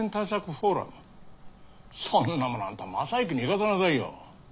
そんなものあんた昌之に行かせなさいよ。